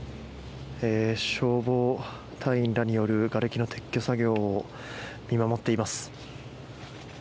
消防隊員らによるがれきの撤去作業を見守っています。